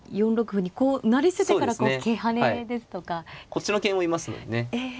こっちの桂もいますのでね。